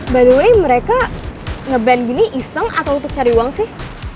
by the way mereka nge ban gini iseng atau untuk cari uang sih